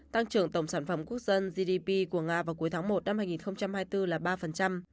tăng trưởng tổng sản phẩm quốc dân gdp của nga vào cuối tháng một năm hai nghìn hai mươi bốn là ba